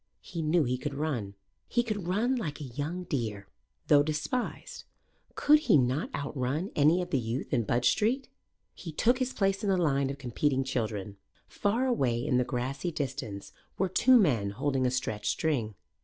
He knew he could run. He could run like a young deer. Though despised, could he not outrun any of the youth in Budge Street? He took his place in the line of competing children. Far away in the grassy distance were two men holding a stretched string.